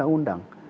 semua ikut undang